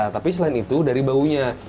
tapi selain itu dari baunya